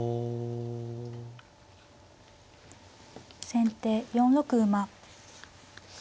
先手４六馬。